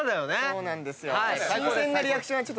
そうなんですよ。